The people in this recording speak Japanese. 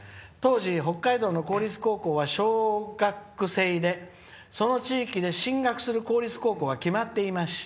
当時、北海道の公立高校は小学区制でその影響で進学する学校は決まっていました。